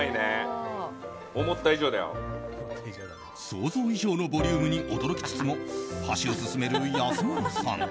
想像以上のボリュームに驚きつつも、箸を進める安村さん。